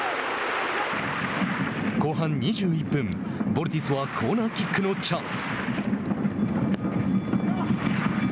後半２１分、ヴォルティスはコーナーキックのチャンス。